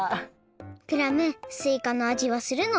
クラムすいかのあじはするの？